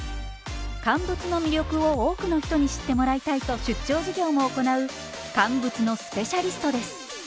乾物の魅力を多くの人に知ってもらいたいと出張授業も行う乾物のスペシャリストです。